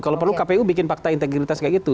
kalau perlu kpu bikin fakta integritas kayak gitu